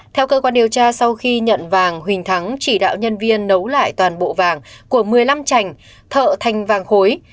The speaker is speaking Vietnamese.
theo cơ quan điều tra sau khi nhận vàng huỳnh thắng chỉ đạo nhân viên nấu lại toàn bộ vàng của một mươi năm trành thợ thành vàng khối